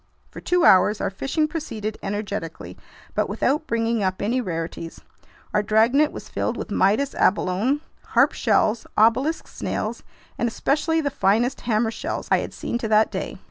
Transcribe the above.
For two hours our fishing proceeded energetically but without bringing up any rarities. Our dragnet was filled with Midas abalone, harp shells, obelisk snails, and especially the finest hammer shells I had seen to that day.